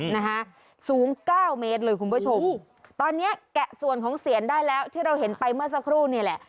นะฮะสูงเก้าเมตรเลยคุณผู้ชมตอนเนี้ยแกะส่วนของเสียนได้แล้วที่เราเห็นไปเมื่อสักครู่นี่แหละ